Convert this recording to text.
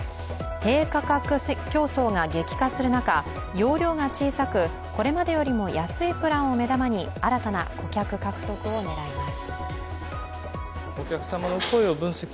低価格競争が激化する中、容量が小さくこれまでよりも安いプランを目玉に新たな顧客獲得を狙います。